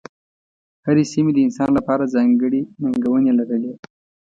هرې سیمې د انسان لپاره ځانګړې ننګونې لرلې.